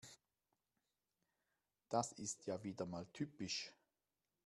Das ist ja wieder mal typisch.